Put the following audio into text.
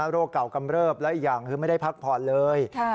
โรคเก่ากำเริบและอีกอย่างคือไม่ได้พักผ่อนเลย